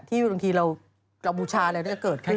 บางทีเรากัมพูชาอะไรก็จะเกิดขึ้น